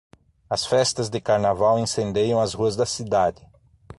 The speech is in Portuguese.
As festas de carnaval incendeiam as ruas da cidade.